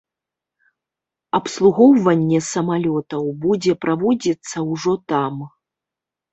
Абслугоўванне самалётаў будзе праводзіцца ўжо там.